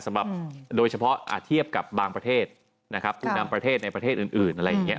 สำหรับโดยเฉพาะเทียบกับบางประเทศนะครับผู้นำประเทศในประเทศอื่นอะไรอย่างนี้